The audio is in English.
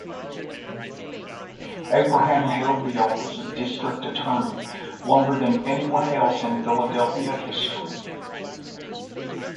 Abraham held the office of district attorney longer than anyone else in Philadelphia history.